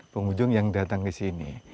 pengunjung yang datang ke sini